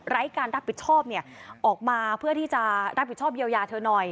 การรับผิดชอบออกมาเพื่อที่จะรับผิดชอบเยียวยาเธอหน่อย